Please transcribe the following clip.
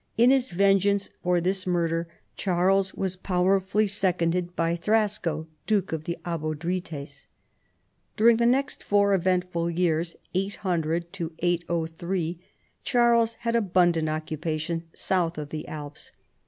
In his vengeance for this murder Charles was powerfully seconded by Thrasco, Duke of the Abod rites. During the next four eventful years (800 803) Charles had abundant occupation south of the Alps.